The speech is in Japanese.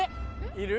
いる？